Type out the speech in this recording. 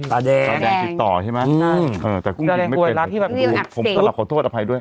ตาแดงติดต่อใช่ไหมอืมเออแต่มิตารอยรักที่แบบขอโทษอภัยด้วย